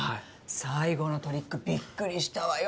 最後のトリックびっくりしたわよね。